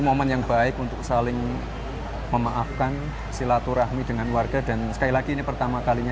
momen yang baik untuk saling memaafkan silaturahmi dengan warga dan sekali lagi ini pertama kalinya